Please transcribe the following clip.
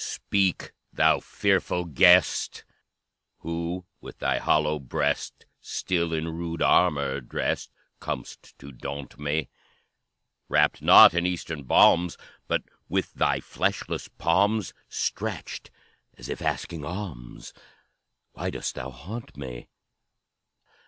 speak! thou fearful guest! Who, with thy hollow breast Still in rude armor drest, Comest to daunt me! Wrapt not in Eastern balms, But with thy fleshless palms Stretched, as if asking alms, Why dost thou haunt me?"